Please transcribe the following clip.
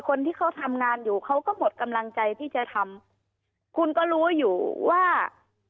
คนที่เขาทำงานอยู่เขาก็หมดกำลังใจที่จะทำคุณก็รู้อยู่ว่า